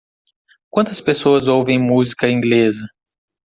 Quantas pessoas ouvem música inglesa?